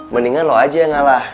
sebaiknya kamu saja yang mengalah